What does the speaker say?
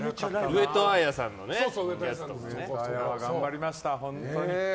上戸彩は頑張りました、本当に。